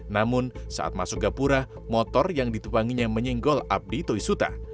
namun saat masuk gapura motor yang ditubanginya menyenggol abdi toisuta